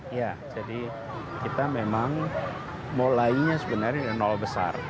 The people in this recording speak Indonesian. iya jadi kita memang mulainya sebenarnya besar